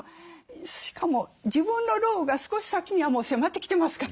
しかも自分の老後が少し先にはもう迫ってきてますからね。